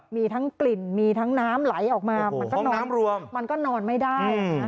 มีทั้งกลิ่นมีทั้งน้ำไหลออกมามันก็นอนไม่ได้